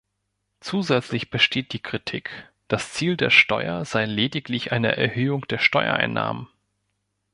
Zusätzlich besteht die Kritik, das Ziel der Steuer sei lediglich eine Erhöhung der Steuereinnahmen.